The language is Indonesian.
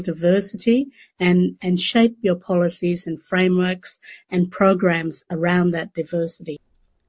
dan menciptakan polisi latar belakang dan program di sekeliling kebanyakan kualitas